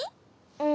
うん。